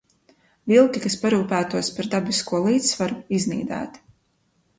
Vilki, kas parūpētos par dabisko līdzsvaru, iznīdēti.